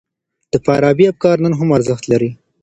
د فارابي افکار نن هم ارزښت لري.